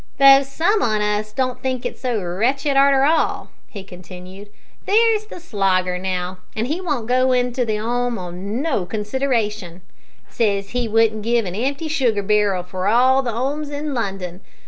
"Though some on us don't think it so wretched arter all," he continued. "There's the Slogger, now, he won't go into the 'ome on no consideration; says he wouldn't give a empty sugar barrel for all the 'omes in London.